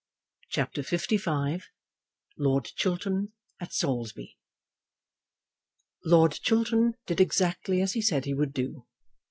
CHAPTER LV Lord Chiltern at Saulsby Lord Chiltern did exactly as he said he would do.